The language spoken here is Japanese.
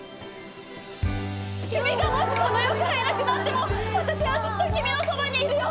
君がもしこの世からいなくなっても私はずっと君のそばにいるよ。